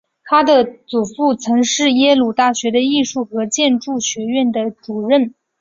她的祖父曾经是耶鲁大学的艺术和建筑学院的主任。